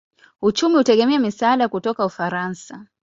Uchumi hutegemea misaada kutoka Ufaransa.